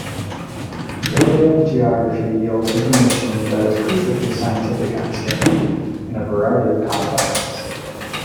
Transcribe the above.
Paleogeography yields information that is crucial to scientific understanding in a variety of contexts.